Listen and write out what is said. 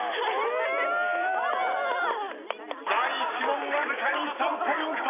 ［第１問わずかに３ポイント！］